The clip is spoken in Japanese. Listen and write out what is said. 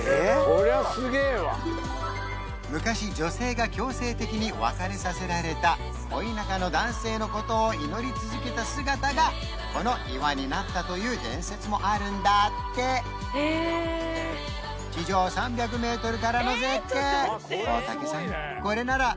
こりゃすげえわ昔女性が強制的に別れさせられた恋仲の男性のことを祈り続けた姿がこの岩になったという伝説もあるんだって地上３００メートルからの絶景！